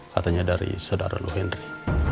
katanya dari saudara lo henry